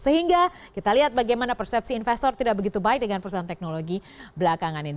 sehingga kita lihat bagaimana persepsi investor tidak begitu baik dengan perusahaan teknologi belakangan ini